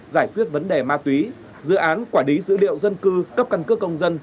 giải quyết vấn đề ma túy dự án quản lý dữ liệu dân cư cấp căn cước công dân